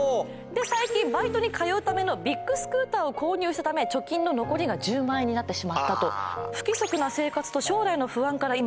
最近バイトに通うためのビッグスクーターを購入したため貯金の残りが１０万円になってしまったと最新情報です